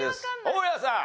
大家さん。